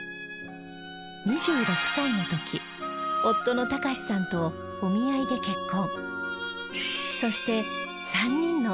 ２６歳の時夫の孝さんとお見合いで結婚